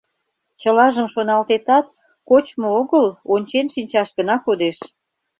Чылажым шоналтетат, кочмо огыл, ончен шинчаш гына кодеш.